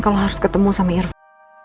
kalo harus ketemu sama irfan